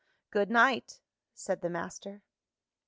"Good night!" said the master.